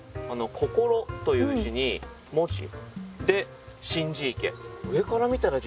心という字に文字で心字池。